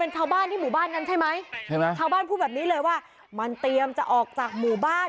ทางบ้านพูดแบบนี้เลยว่ามันเตรียมจะออกจากหมู่บ้าน